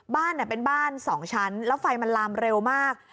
บ้านเป็นบ้าน๒ชั้นแล้วไฟมันลามเร็วมาก